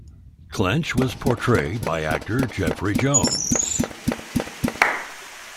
Clench was portrayed by actor Jeffrey Jones.